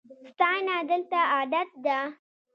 ستاینه دلته عادت ده.